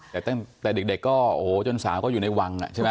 แต่ตั้งแต่เด็กก็โอ้โหจนสาวก็อยู่ในวังใช่ไหม